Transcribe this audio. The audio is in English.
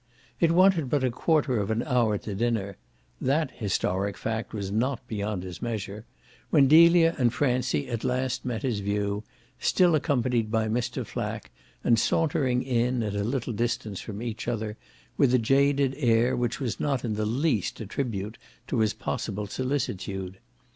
It wanted but a quarter of an hour to dinner THAT historic fact was not beyond his measure when Delia and Francie at last met his view, still accompanied by Mr. Flack and sauntering in, at a little distance from each other, with a jaded air which was not in the least a tribute to his possible solicitude.